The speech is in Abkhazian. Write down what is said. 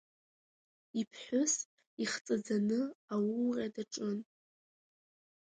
Иԥҳәыс ихҵаӡаны ауура даҿын.